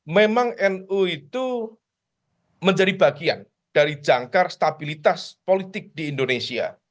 memang nu itu menjadi bagian dari jangkar stabilitas politik di indonesia